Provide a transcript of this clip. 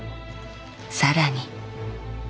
更に。